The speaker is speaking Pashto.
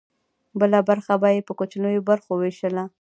بله برخه به یې په کوچنیو برخو ویشله.